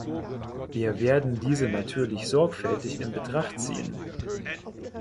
Wir werden diese natürlich sorgfältig in Betracht ziehen.